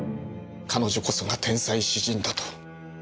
彼女こそが天才詩人だと。